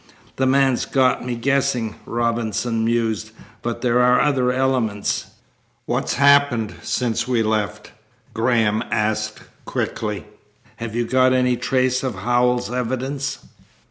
"The man's got me guessing," Robinson mused, "but there are other elements." "What's happened since we left?" Graham asked quickly. "Have you got any trace of Howells's evidence?"